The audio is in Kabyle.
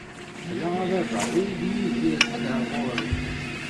Ala a baba ur d-igir ḥed ɣer ɣur-i.